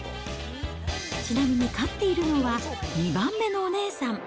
ちなみに飼っているのは、２番目のお姉さん。